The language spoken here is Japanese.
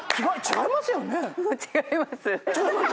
違いますよ。